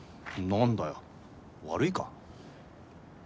なんだよ悪いか？